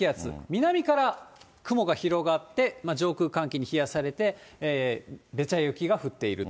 南から雲が広がって、上空寒気に冷やされて、べちゃ雪が降っていると。